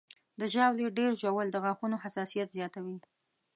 د ژاولې ډېر ژوول د غاښونو حساسیت زیاتوي.